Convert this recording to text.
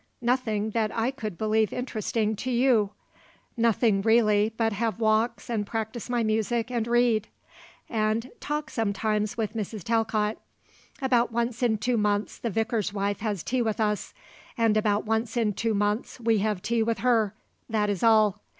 Nothing that I could believe interesting to you; nothing really but have walks and practise my music and read; and talk sometimes with Mrs. Talcott. About once in two months the vicar's wife has tea with us, and about once in two months we have tea with her; that is all.